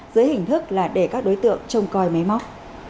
dưới hình thức là để các đối tượng trông coi máy móc